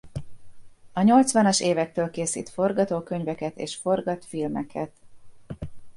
A nyolcvanas évektől készít forgatókönyveket és forgat filmeket.